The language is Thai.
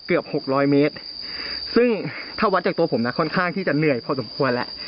หกร้อยเมตรซึ่งถ้าวัดจากตัวผมนะค่อนข้างที่จะเหนื่อยพอสมควรแล้ว